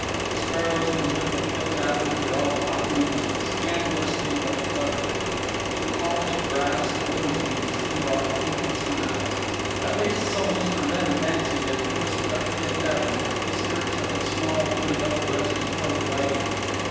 The sparrows in the middle of Fifth Avenue were all talking at once, scandalously but cleverly. The polished brass of limousines threw off teethy smiles. At least so Mr. Wrenn fancied as he whisked up Fifth Avenue, the skirts of his small blue double breasted coat wagging.